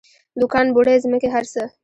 دوکان بوړۍ ځمکې هر څه.